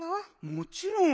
もちろん。